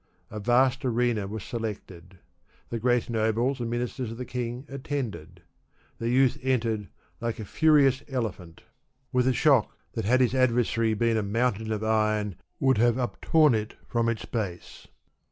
A vast arena was selected. The great nobles and ministers of the king attended. The youth entered, like a furious elephant, Digitized by Google w with a shock that had his adversary been a Tnountain of iron would have uptora it from its base.